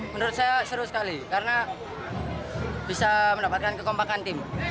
menurut saya seru sekali karena bisa mendapatkan kekompakan tim